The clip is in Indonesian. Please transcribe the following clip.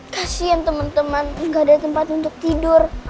kasian teman teman enggak ada tempat untuk tidur